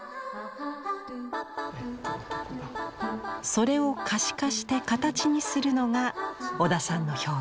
それを可視化して形にするのが織田さんの表現。